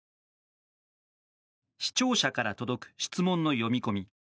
視聴者から届く質問の読み込み